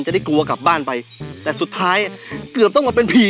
จะได้กลัวกลับบ้านไปแต่สุดท้ายเกือบต้องมาเป็นผี